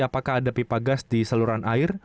apakah ada pipa gas di saluran air